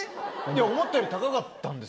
思ったより高かったんです